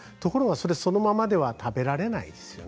そのままでは食べられないです。